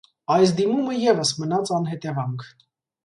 Այս դիմումը ևս մնաց անհետևանք։